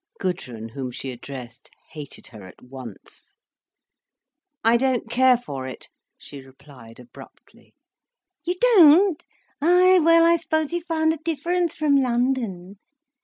Gudrun, whom she addressed, hated her at once. "I don't care for it," she replied abruptly. "You don't? Ay, well, I suppose you found a difference from London.